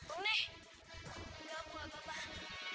ini tidak baik